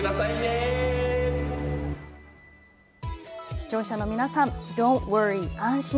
視聴者の皆さん、ドント・ウォーリー。